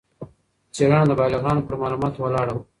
څېړنه د بالغانو پر معلوماتو ولاړه وه.